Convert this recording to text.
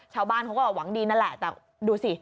ชาวบ้านเขาก็หวังดีนั่นแหละแต่ดูสิ